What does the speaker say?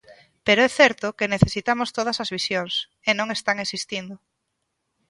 Pero é certo que necesitamos todas as visións, e non están existindo.